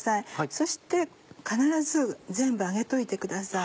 そして必ず全部上げといてください。